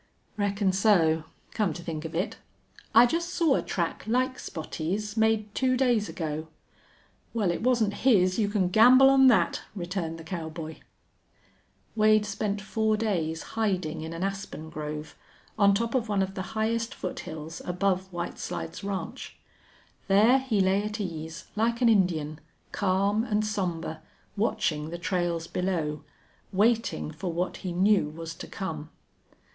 "Reckon so, come to think of it. I just saw a track like Spottie's, made two days ago." "Well, it wasn't his, you can gamble on that," returned the cowboy. Wade spent four days hiding in an aspen grove, on top of one of the highest foothills above White Slides Ranch. There he lay at ease, like an Indian, calm and somber, watching the trails below, waiting for what he knew was to come.